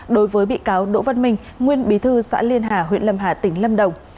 đối với bị cáo đỗ văn minh nguyên bí thư xã liên hà huyện lâm hà tỉnh lâm đồng